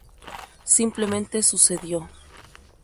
Simplemente sucedió.